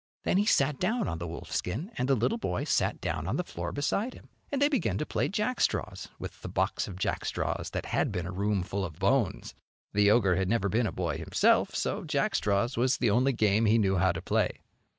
Then he sat down on the wolf skin and the little boy sat down on the floor beside him, and they began to play jackstraws with the box of jackstraws that had been a room full of bones. The ogre had never been a boy himself, so jackstraws was the only game he knew how to play.